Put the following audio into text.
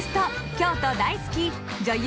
京都大好き女優